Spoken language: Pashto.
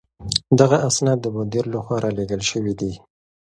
دغه اسناد د مدير له خوا رالېږل شوي دي.